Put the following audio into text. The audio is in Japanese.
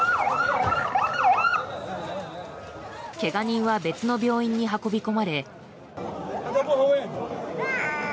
けが人は別の病院に運び込まれ。